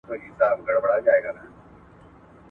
ګــوره په دعـا كـي يـــك هــــــزار راتـــه وسـاتـه